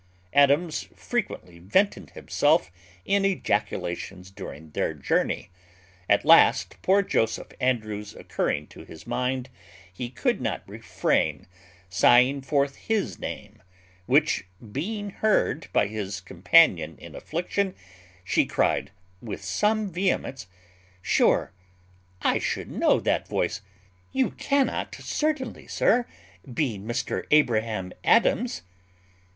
Adams frequently vented himself in ejaculations during their journey; at last, poor Joseph Andrews occurring to his mind, he could not refrain sighing forth his name, which being heard by his companion in affliction, she cried with some vehemence, "Sure I should know that voice; you cannot certainly, sir, be Mr Abraham Adams?"